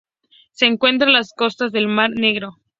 Se encuentra en las costas del Mar Negro.